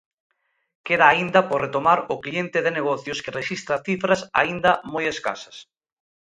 Queda aínda por retomar o cliente de negocios que rexistra cifras aínda moi escasas.